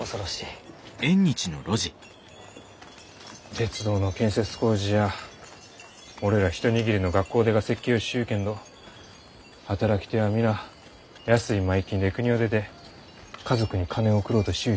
鉄道の建設工事じゃ俺ら一握りの学校出が設計をしゆうけんど働き手は皆安い前金でくにを出て家族に金を送ろうとしゆう